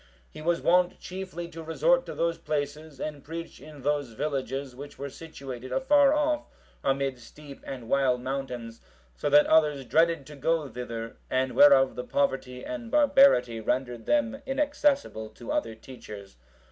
He was wont chiefly to resort to those places and preach in those villages which were situated afar off amid steep and wild mountains, so that others dreaded to go thither, and whereof the poverty and barbarity rendered them inaccessible to other teachers.